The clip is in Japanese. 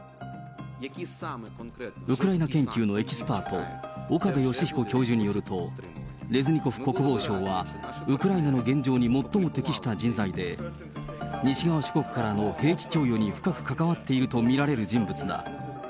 ウクライナ研究のエキスパート、岡部芳彦教授によると、レズニコフ国防相は、ウクライナの現状に最も適した人材で、西側諸国からの兵器供与に深く関わっていると見られる人物だ。